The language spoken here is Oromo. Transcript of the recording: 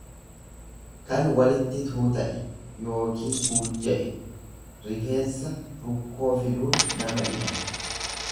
kan'walitti tuuta'e yookiin gujjaa'e; Rifeensa rukkoo filuun nama dhiba.